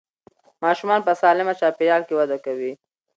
ماشومان په سالمه چاپېریال کې وده کوي.